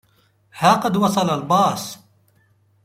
ها قد وصل الباص.